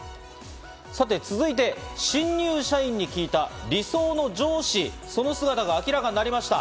さて続いて、新入社員に聞いた理想の上司、その姿が明らかになりました。